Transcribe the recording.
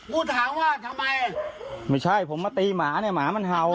กูถามว่าทำไมไม่ใช่ผมมาตีหมาเนี่ยหมามันเห่า